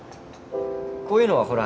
こういうのは。